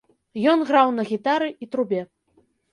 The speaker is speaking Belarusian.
Ён граў на гітары і трубе.